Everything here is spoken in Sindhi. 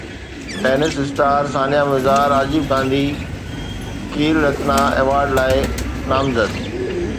tense star Sania Mirza Rajiv Gandhi Khel Ratna award لاءِ نامزد